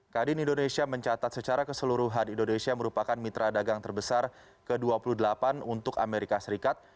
kadin indonesia mencatat secara keseluruhan indonesia merupakan mitra dagang terbesar ke dua puluh delapan untuk amerika serikat